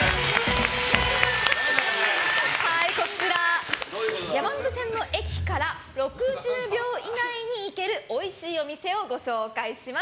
こちら、山手線の駅から６０秒以内に行けるおいしいお店をご紹介します。